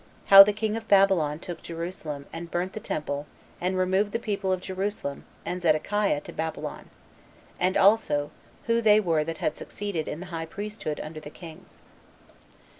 How The King Of Babylon Took Jerusalem And Burnt The Temple And Removed The People Of Jerusalem And Zedekiah To Babylon. As Also, Who They Were That Had Succeeded In The High Priesthood Under The Kings.